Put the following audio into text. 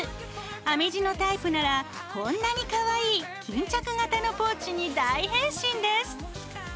編み地のタイプならこんなにかわいい巾着型のポーチに大変身です。